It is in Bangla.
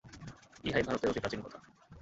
ইহাই ভারতের অতি প্রাচীন কথা।